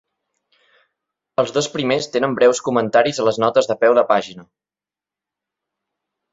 Els dos primers tenen breus comentaris a les notes de peu de pàgina.